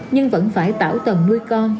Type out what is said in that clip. nhưng vẫn phải tảo tầm nuôi con